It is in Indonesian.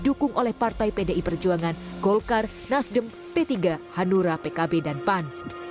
didukung oleh partai pdi perjuangan golkar nasdem p tiga hanura pkb dan pan